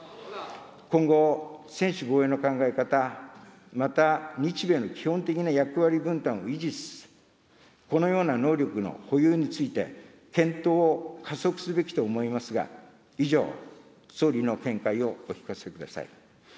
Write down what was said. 今後、専守防衛の考え方、また、日米の基本的な役割分担を維持しつつ、このような能力の保有について、検討を加速すべきと思いますが、以上、総理の見解をお聞かせください。